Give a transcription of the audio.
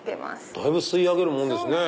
だいぶ吸い上げるもんですね。